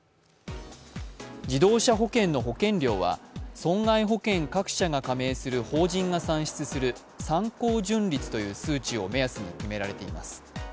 自動車保険の保険料は損害保険各社が加盟する法人が算出する参考純率という数値を目安に決められています。